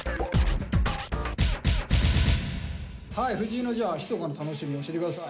藤井のじゃあひそかな楽しみ教えて下さい。